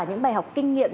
những bài học kinh nghiệm